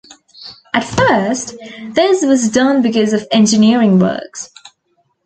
At first, this was done because of engineering works.